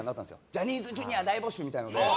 ジャニーズＪｒ．大募集みたいな。